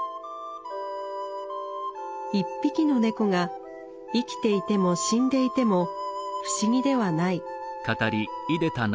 １匹の猫が生きていても死んでいても不思議ではない。